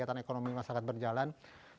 kegiatan ekonomi masyarakat berjalan dengan baik